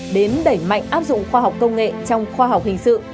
đến đẩy mạnh áp dụng khoa học công nghệ trong khoa học hình sự